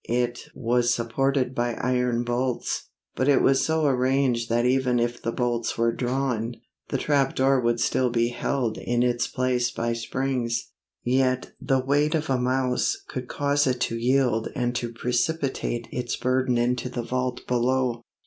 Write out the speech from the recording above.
It was supported by iron bolts; but it was so arranged that even if the bolts were drawn, the trapdoor would still be held in its place by springs. Yet the weight of a mouse would cause it to yield and to precipitate its burden into the vault below.